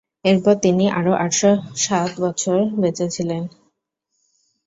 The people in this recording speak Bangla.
এরপর তিনি আরো আটশ সাত বছর বেঁচেছিলেন।